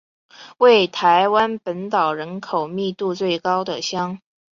为台湾本岛人口密度最高的乡。